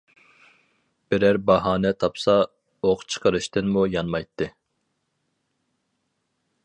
بىرەر باھانە تاپسا، ئوق چىقىرىشتىنمۇ يانمايتتى.